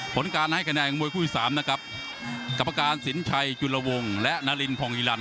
ผลการให้คะแนนของมวยคู่ที่สามนะครับกรรมการสินชัยจุลวงและนารินพองอีลัน